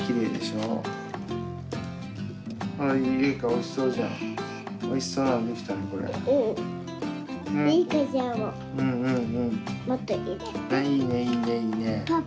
いいねいいねいいね。